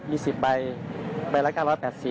มี๑๐ใบใบละ๙๘๐